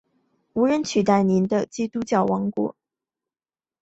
无人能取代您的基督教王国！